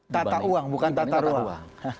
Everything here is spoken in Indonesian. tata uang bukan tata ruang